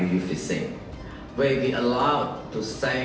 untuk menangkap pesan iuu fishing